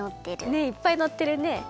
ねっいっぱいのってるね。